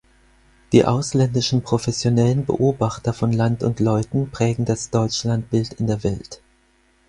Die ausländischen professionellen Beobachter von Land und Leuten prägen das Deutschlandbild in der Welt.